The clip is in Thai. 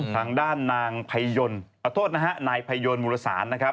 ทางด้านนางพยนต์ขอโทษนะฮะนายพยนมุรสารนะครับ